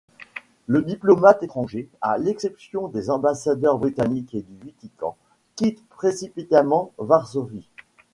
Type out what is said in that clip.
Les diplomates étrangers, à l'exception des ambassadeurs britannique et du Vatican, quittent précipitamment Varsovie.